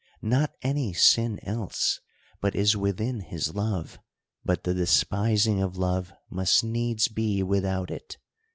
Not any sin else, but is within his love ; but the despising of love must needs be without it.